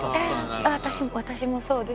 私も私もそうです。